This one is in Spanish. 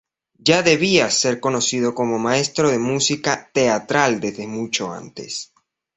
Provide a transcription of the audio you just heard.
Ya debía ser conocido como maestro de música teatral desde mucho antes.